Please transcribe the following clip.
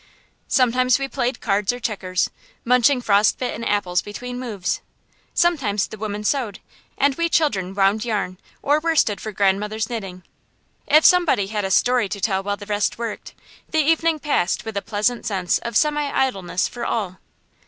Sometimes we played cards or checkers, munching frost bitten apples between moves. Sometimes the women sewed, and we children wound yarn or worsted for grandmother's knitting. If somebody had a story to tell while the rest worked, the evening passed with a pleasant sense of semi idleness for all.